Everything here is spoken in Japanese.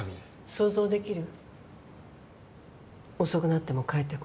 想像できる？